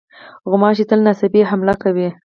غوماشې تل ناڅاپي حمله کوي.